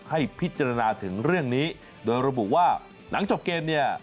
ให้พิจารณาถึงเรื่องนี้โดยระบุว่าหลังจบเกมเนี่ย